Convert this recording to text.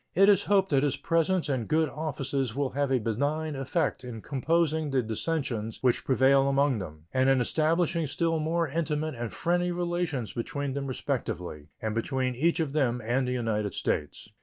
It is hoped that his presence and good offices will have a benign effect in composing the dissensions which prevail among them, and in establishing still more intimate and friendly relations between them respectively and between each of them and the United States.